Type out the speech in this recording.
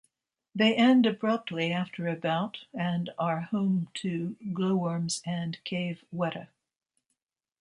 They end abruptly after about and are home to glowworms and cave weta.